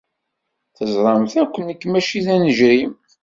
Teẓramt akk nekk maci d anejrim.